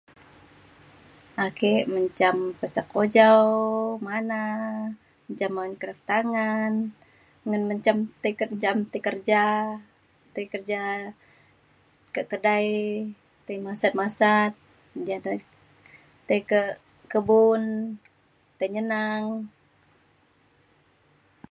Ake mejam pesak kujaw, manan, mejam kraf tangan ngan mejam ti kerja ti kerja ka' kedai ti masat masat mejam ti ke kebun ti nyela